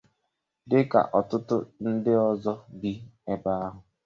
dịka ọtụtụ ndị ọzọ bi ebe ahụ